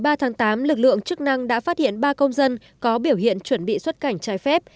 ngày ba tháng tám lực lượng chức năng đã phát hiện ba công dân có biểu hiện chuẩn bị xuất cảnh trái phép